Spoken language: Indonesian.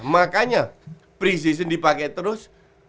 makanya pre season dipake terus